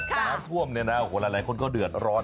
น้ำท่วมเนี่ยนะหลายคนก็เดือดร้อน